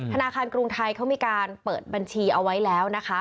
ธนาคารกรุงไทยเขามีการเปิดบัญชีเอาไว้แล้วนะคะ